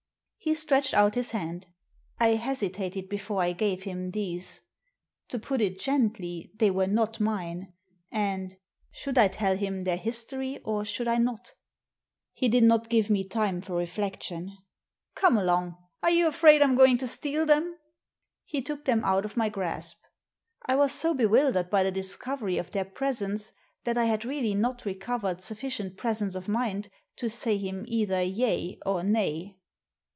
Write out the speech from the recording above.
He stretched out his hand. I hesitated before I gave him these. To put it gently, they were not mine. And — should I tell him their history or should I not ? He did not give me time for reflection. " Come along ! Are you afraid I'm going to steal them?" He took them out of my grasp. I was so be wildered by the discovery of their presence that I had really not recovered sufficient presence of mind to say him either yea or nay.